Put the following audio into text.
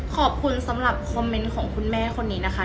ขอบคุณสำหรับคอมเมนต์ของคุณแม่คนนี้นะคะ